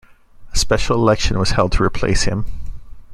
A special election was held to replace him.